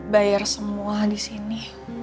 bayar semua di sini